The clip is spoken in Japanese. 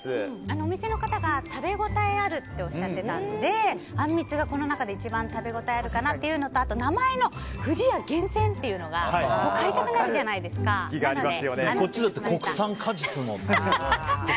お店の方が食べ応えあるっておっしゃっていたのであんみつがこの中で一番食べ応えがあるのかなというのとあと、名前の不二家厳選っていうのがこっちは国産果実のって。